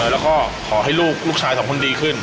แล้วขอให้ลูกลูกชาย๒คนดีขึ้น